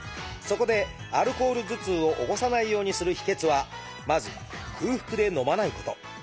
そこでアルコール頭痛を起こさないようにする秘けつはまず空腹で飲まないこと。